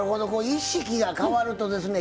意識が変わるとですね